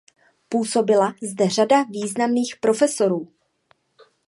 Působila zde řada významných profesorů.